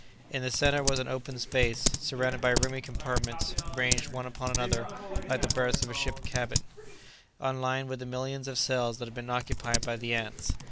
In the centre was an open space, surrounded by roomy compartments, ranged one upon another, like the berths of a ship's cabin, and lined with the millions of cells that had been occupied by the ants.